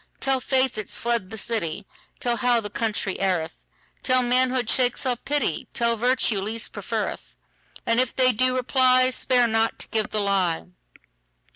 Tell faith it's fled the city; Tell how the country erreth; Tell, manhood shakes off pity; Tell, virtue least preferreth:And if they do reply, Spare not to give the lie.